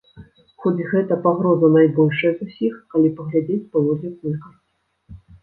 Хоць гэта пагроза найбольшая з усіх, калі паглядзець паводле колькасці.